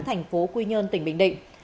thành phố quy nhơn tỉnh bình định